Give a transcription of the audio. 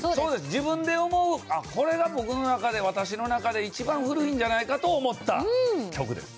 自分で思うこれが僕の中で私の中で一番古いんじゃないかと思った曲です。